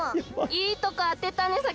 いいとこあてたねさ